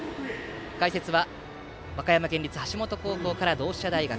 解説は和歌山県立橋本高校から同志社大学。